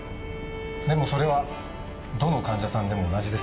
でもそれはどの患者さんでも同じです。